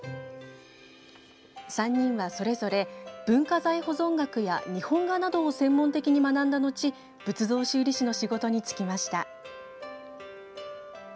３人はそれぞれ文化財保存学や日本画などを専門的に学んだ後仏像修理師の仕事に就きました。